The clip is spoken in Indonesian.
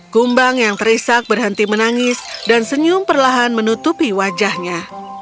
kumbang yang terisak berhenti menangis dan senyum perlahan menutupi wajahnya